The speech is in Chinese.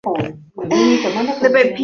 邦维拉尔的总面积为平方公里。